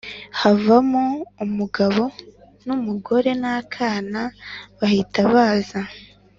havamo umugabo n’umugore n’akana bahita baza